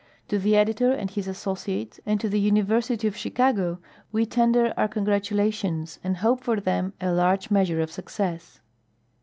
To the editor and his associates and to the University of Chicago we tender our congratulations and hope for them a large measure of success.